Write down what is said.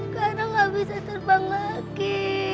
karena gak bisa terbang lagi